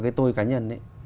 người cá nhân ấy